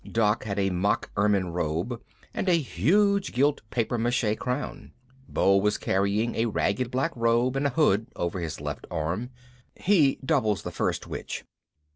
Doc had a mock ermine robe and a huge gilt papier mache crown. Beau was carrying a ragged black robe and hood over his left arm he doubles the First Witch.